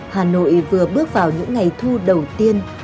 hà nội vừa bước vào những ngày thu đầu tiên